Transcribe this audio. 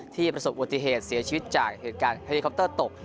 ประสบอุบัติเหตุเสียชีวิตจากเหตุการณ์เฮลิคอปเตอร์ตก